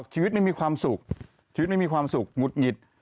ชีวิตไม่มีความสุขมืดหงิด